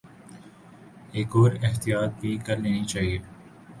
ایک اور احتیاط بھی کر لینی چاہیے۔